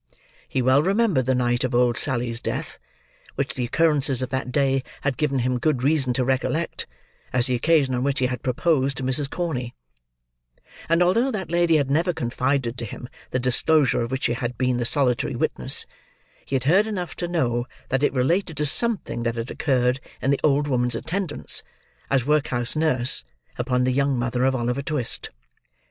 He well remembered the night of old Sally's death, which the occurrences of that day had given him good reason to recollect, as the occasion on which he had proposed to Mrs. Corney; and although that lady had never confided to him the disclosure of which she had been the solitary witness, he had heard enough to know that it related to something that had occurred in the old woman's attendance, as workhouse nurse, upon the young mother of Oliver Twist.